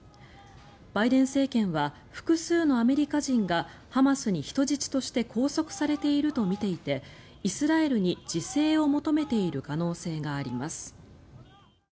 バイデン政権は複数のアメリカ人がハマスに人質として拘束されているとみていてイスラエルに自制を求めている可能性があります。